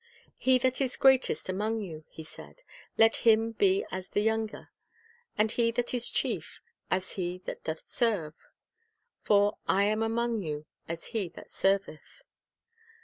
"lie that is greatest among you," He said, "let Example m \ ]nn De as the younger; and he that is chief, as he that Service doth serve. For ... I am among you as he that serveth."